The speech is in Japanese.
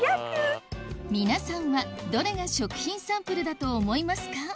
皆さんはどれが食品サンプルだと思いますか？